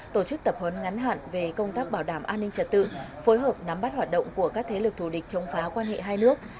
tổ chức tập huấn ngắn hạn về công tác bảo đảm an ninh trật tự phối hợp nắm bắt hoạt động của các thế lực thù địch chống phá quan hệ hai nước